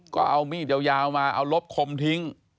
ก็เอามีดยาวมาเอาลบคมทิ้ง